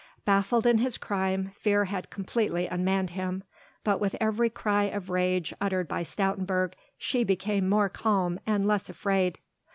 Baffled in his crime, fear had completely unmanned him, but with every cry of rage uttered by Stoutenburg she became more calm and less afraid.